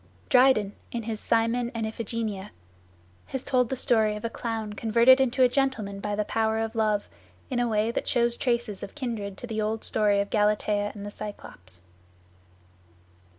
Dryden, in his "Cymon and Iphigenia," has told the story of a clown converted into a gentleman by the power of love, in a way that shows traces of kindred to the old story of Galatea and the Cyclops.